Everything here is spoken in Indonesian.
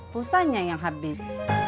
pusahnya yang habis